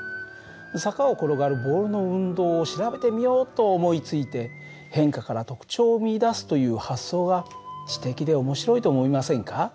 坂を転がるボールの運動を調べてみようと思いついて変化から特徴を見いだすという発想が知的で面白いと思いませんか。